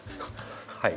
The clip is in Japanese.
はい。